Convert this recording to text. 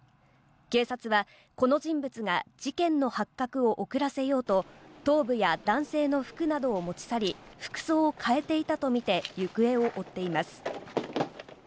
警察はこの人物が事件の発覚を遅らせようと、頭部や男性の服などを持ち去り、服装を変えていたとみて行方を追っています。